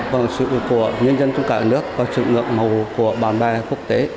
và sự của nhân dân trong cả nước và sự ngượng mầu của bạn bè quốc tế